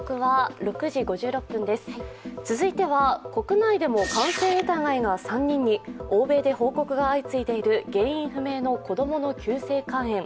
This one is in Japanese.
続いては国内でも感染疑いが３人に欧米で報告が相次いでいる原因不明の子供の急性肝炎。